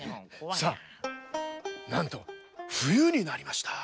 さっなんとふゆになりました。